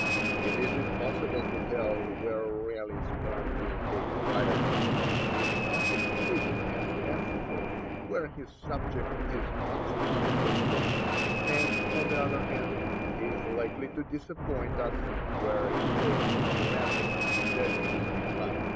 It is impossible to tell where Raleigh's pen will take fire. He is most exquisite and fanciful where his subject is most unhopeful, and, on the other hand, he is likely to disappoint us where we take for granted that he will be fine.